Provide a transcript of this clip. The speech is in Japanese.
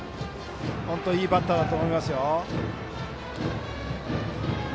本当、いいバッターだと思います。